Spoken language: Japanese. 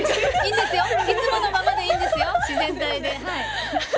いつものままでいいんです自然体で。